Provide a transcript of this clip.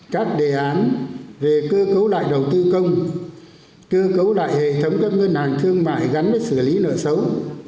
các đề án về cơ cấu lại đầu tư công cơ cấu lại hệ thống các ngân hàng thương mại gắn với xử lý nợ xấu